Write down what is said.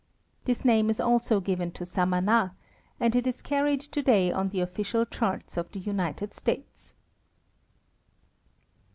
This name is also given to Samana, and it is carried today on the official charts of the United States.